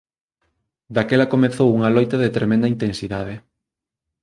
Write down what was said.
Daquela comezou unha loita de tremenda intensidade.